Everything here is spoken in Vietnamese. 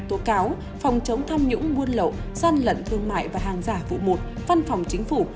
tố cáo phòng chống tham nhũng buôn lậu gian lận thương mại và hàng giả vụ một văn phòng chính phủ